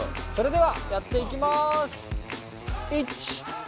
それではやっていきます。